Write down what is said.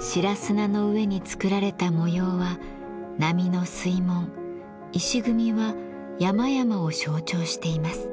白砂の上につくられた模様は波の水紋石組みは山々を象徴しています。